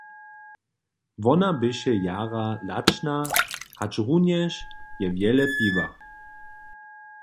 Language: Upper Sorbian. Wona běše jara lačna, hačrunjež je wjele piła.